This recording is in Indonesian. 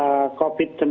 vaksinasi yang tersebut